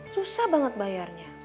susah banget bayarnya